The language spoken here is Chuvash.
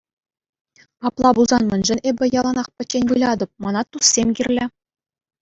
Апла пулсан мӗншӗн эпӗ яланах пӗччен вылятӑп, мана туссем кирлӗ.